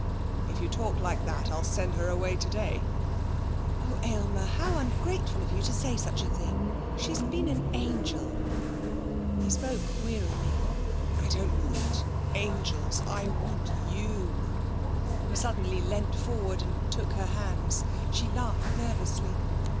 'If you talk like that, I'll send her away today.' 'Oh, Aylmer! how ungrateful of you to say such a thing! She's been an angel.' He spoke wearily. 'I don't want angels! I want you!' He suddenly leant forward and took her hands. She laughed nervously.